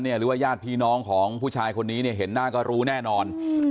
หรือว่าญาติพี่น้องของผู้ชายคนนี้เนี่ยเห็นหน้าก็รู้แน่นอน